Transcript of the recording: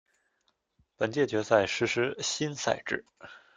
本届决赛实施新赛制。